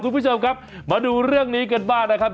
คุณผู้ชมครับมาดูเรื่องนี้กันบ้างนะครับ